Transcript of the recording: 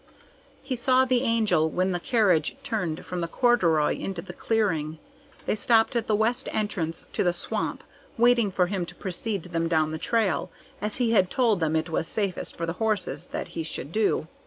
He saw the Angel when the carriage turned from the corduroy into the clearing. They stopped at the west entrance to the swamp, waiting for him to precede them down the trail, as he had told them it was safest for the horse that he should do.